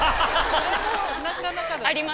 それもなかなかだね。